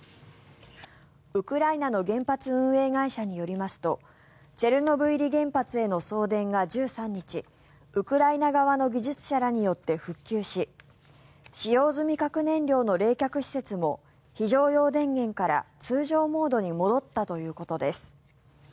ウクライナの原発運営会社によりますとチェルノブイリ原発への送電が１３日ウクライナ側の技術者らによって復旧し使用済み核燃料の冷却施設も非常用電源から通常モードに戻ったということです。